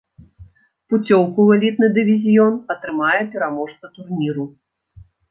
Пуцёўку ў элітны дывізіён атрымае пераможца турніру.